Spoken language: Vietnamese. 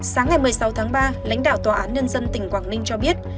sáng ngày một mươi sáu tháng ba lãnh đạo tòa án nhân dân tỉnh quảng ninh cho biết